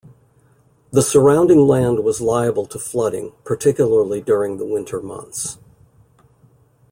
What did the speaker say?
The surrounding land was liable to flooding, particularly during the winter months.